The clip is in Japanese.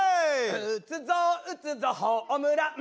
「打つぞ打つぞホームラン」